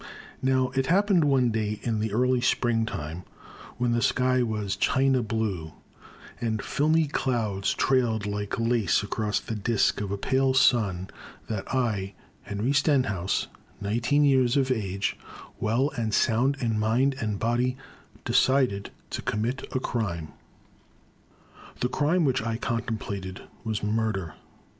NOW it happened one day in the early Spring time when the sky was china blue and filmy clouds trailed like lace across the disk of a pale sun, that I, Henry Stenhouse, nine teen years of age, well and sound in mind and body, decided to commit a crime. The crime which I contemplated was murder.